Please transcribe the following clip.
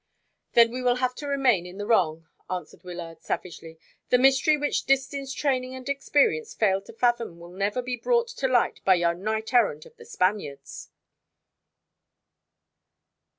"Then he will have to remain in the wrong," answered Wyllard savagely. "The mystery which Distin's training and experience failed to fathom will never be brought to light by your knight errant of The Spaniards."